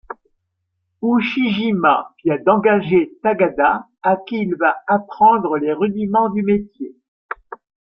Ushijima vient d’engager Takada à qui il va apprendre les rudiments du métier.